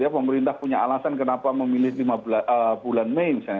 pemerintah punya alasan kenapa memilih lima bulan mei misalnya